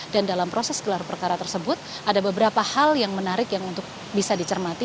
dan dalam proses gelar perkara tersebut ada beberapa hal yang menarik yang bisa dicermati